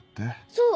そう！